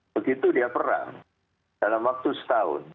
begitu dia perang dalam waktu setahun